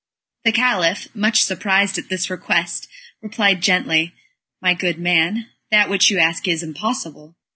The Caliph, much surprised at this request, replied gently: "My good man, that which you ask is impossible.